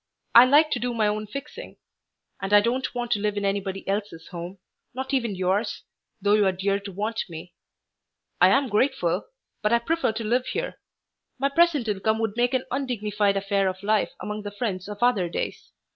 I like to do my own fixing. And I don't want to live in anybody else's home, not even yours, though you are dear to want me. I am grateful, but I prefer to live here. My present income would make an undignified affair of life among the friends of other days.